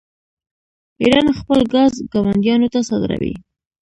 ایران خپل ګاز ګاونډیانو ته صادروي.